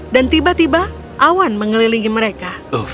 dan tiba tiba awan mengelilingi mereka